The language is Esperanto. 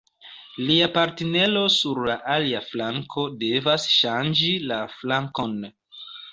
Lia partnero sur la alia flanko devas ŝanĝi la flankon.